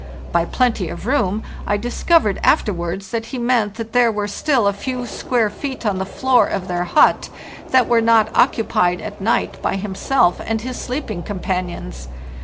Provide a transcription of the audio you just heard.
By ' plenty of room' I discovered afterwards that he meant that there were still a few square feet on the floor of their hut that were not occupied at night by himself and his sleeping companions.